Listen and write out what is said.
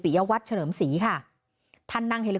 คุยกับตำรวจเนี่ยคุยกับตำรวจเนี่ย